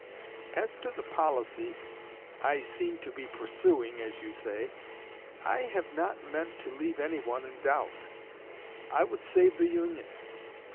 As to the policy I "seem to be pursuing," as you say, I have not meant to leave anyone in doubt. I would save the Union.